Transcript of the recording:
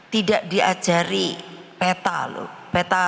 tidak diajari peta loh peta